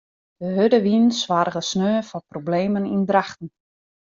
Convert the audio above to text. De hurde wyn soarge sneon foar problemen yn Drachten.